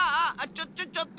ちょちょちょっと！